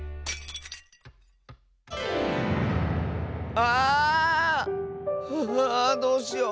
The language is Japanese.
ああどうしよう。